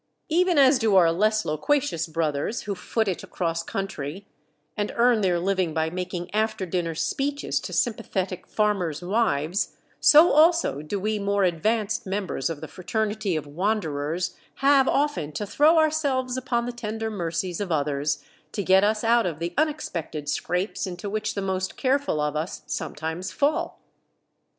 Even as do our less loquacious brothers who foot it across country, and earn their living by making after dinner speeches to sympathetic farmers' wives, so also do we more advanced members of the Fraternity of Wanderers have often to throw ourselves upon the tender mercies of others to get us out of the unexpected scrapes into which the most careful of us sometimes fall.